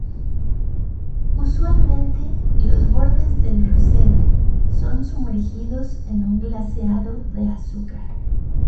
Usualmente, los bordes del rosette son sumergidos en un glaseado de azúcar.